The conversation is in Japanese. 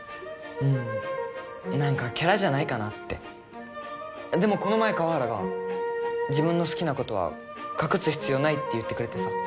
うん何かキャラじゃないかなってでもこの前川原が自分の好きなことは隠す必要ないって言ってくれてさ